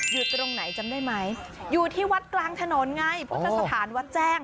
อยู่ตรงไหนจำได้ไหมอยู่ที่วัดกลางถนนไงพุทธสถานวัดแจ้ง